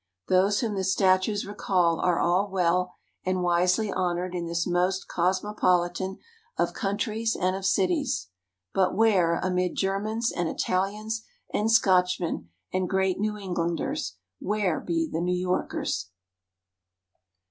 Those whom the statues recall are all well and wisely honored in this most cosmopolitan of countries and of cities. But where, amid Germans and Italians and Scotchmen and great New Englanders where be the New Yorkers?